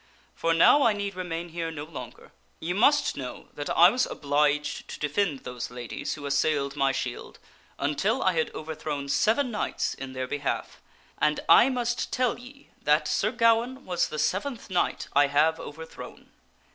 For now I need remain here no longer. Ye must know that I was obliged to defend those ladies who assailed my shield until I had overthrown seven knights in their behalf. And I must tell ye that Sir Gawaine was the seventh knight I have overthrown.